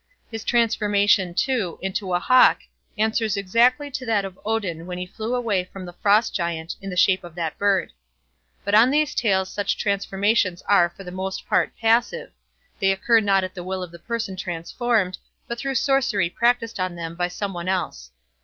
His transformation, too, into a hawk answers exactly to that of Odin when he flew away from the Frost Giant in the shape of that bird. But in these tales such transformations are for the most part passive; they occur not at the will of the person transformed, but through sorcery practised on them by some one else.